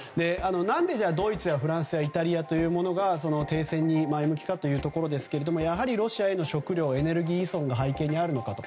何でドイツやフランスイタリアが停戦に前向きかですがやはりロシアへの食糧・エネルギー依存が背景にあるのかと。